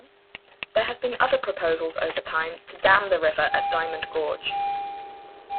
There have been other proposals over time to dam the river at Dimond Gorge.